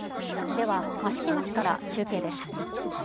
では、益城町から中継です。